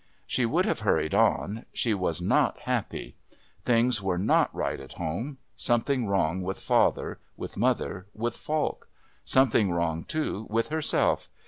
She would have hurried on; she was not happy. Things were not right at home. Something wrong with father, with mother, with Falk. Something wrong, too, with herself.